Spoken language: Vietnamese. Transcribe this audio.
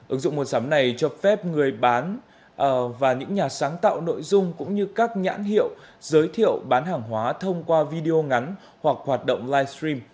ứng dụng mua sắm này cho phép người bán và những nhà sáng tạo nội dung cũng như các nhãn hiệu giới thiệu bán hàng hóa thông qua video ngắn hoặc hoạt động livestream